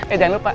eh jangan lupa